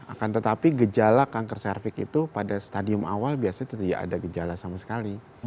akan tetapi gejala kanker cervix itu pada stadium awal biasanya tidak ada gejala sama sekali